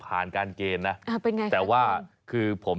แพ้อากาศทั่วไป